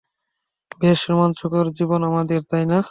বেশ রোমাঞ্চকর জীবন আমাদের, তাইনা?